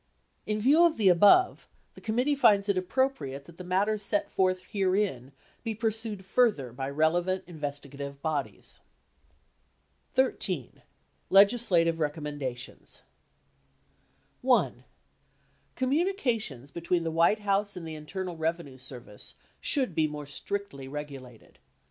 In view of the above, the committee finds it appropriate that the matters set forth herein be pursued further by relevant investigative bodies. XIII. LEGISLATIVE RECOMMENDATIONS 1. Communications between the White House and the Internal Revenue Service should be more strictly regulated.